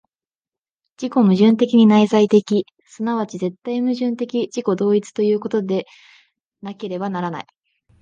自己矛盾的に内在的、即ち絶対矛盾的自己同一ということでなければならない。